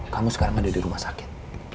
kamu sekarang ada di rumah sakit